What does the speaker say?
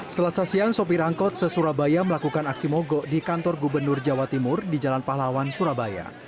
selasa siang sopir angkot se surabaya melakukan aksi mogok di kantor gubernur jawa timur di jalan pahlawan surabaya